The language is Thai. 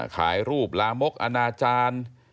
ขายรูปลามกอนาจารย์